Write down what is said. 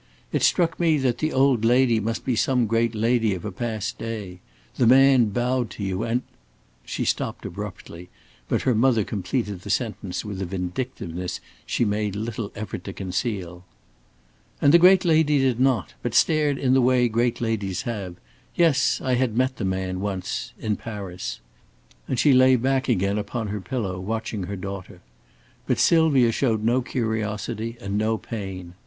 "It struck me that the old lady must be some great lady of a past day. The man bowed to you and " She stopped abruptly, but her mother completed the sentence with a vindictiveness she made little effort to conceal. "And the great lady did not, but stared in the way great ladies have. Yes, I had met the man once in Paris," and she lay back again upon her pillow, watching her daughter. But Sylvia showed no curiosity and no pain.